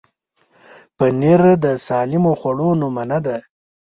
پنېر د سالمو خوړو نمونه ده.